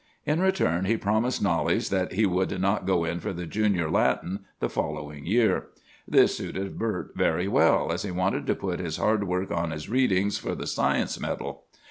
So Wright, of course, got the scholarship. In return he promised Knollys that he would not go in for the Junior Latin the following year. This suited Bert very well, as he wanted to put his hard work on his readings for the science medal.